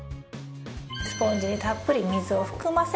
スポンジにたっぷり水を含ませる。